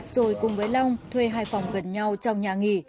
rồi cùng với long thuê hai phòng gần nhà